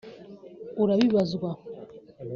urabibazwa